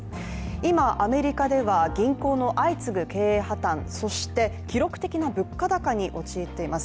今、アメリカでは銀行の相次ぐ経営破綻、そして記録的な物価高に陥っています。